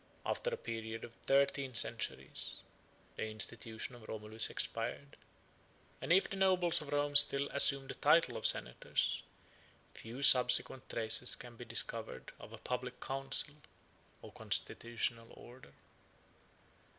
After a period of thirteen centuries, the institution of Romulus expired; and if the nobles of Rome still assumed the title of senators, few subsequent traces can be discovered of a public council, or constitutional order.